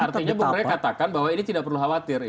artinya mereka katakan bahwa ini tidak perlu khawatir